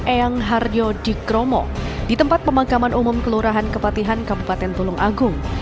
eyang harjo dikromo di tempat pemakaman umum kelurahan kepatihan kabupaten tulung agung